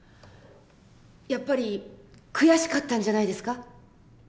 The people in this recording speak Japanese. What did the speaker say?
やっぱり悔しかったんじゃないですか？